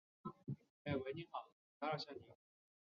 其语与鲜卑颇异。